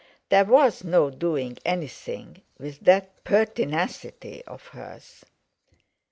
There was no doing anything with that pertinacity of hers.